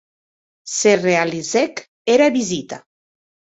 Se realizèc era visita.